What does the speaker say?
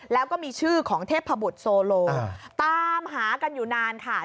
แล้วก็มีชื่อของเทพบุตรโซโลตามหากันอยู่นานค่ะ